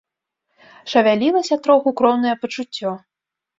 Шавялілася троху кроўнае пачуццё.